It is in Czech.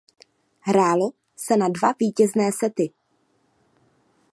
Hrálo se na dva vítězné sety.